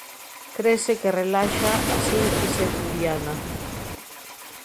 Crese que relaxa a sínfise pubiana.